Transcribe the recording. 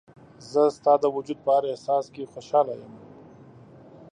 زه ستا د وجود په هر احساس کې خوشحاله یم.